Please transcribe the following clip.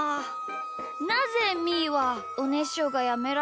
なぜみーはおねしょがやめられないんだろう？